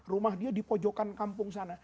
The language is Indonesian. rumah dia di pojokan kampung sana